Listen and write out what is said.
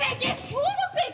消毒液？